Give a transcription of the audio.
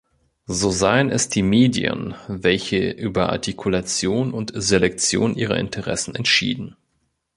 So seien es die Medien, welche über Artikulation und Selektion ihrer Interessen entschieden.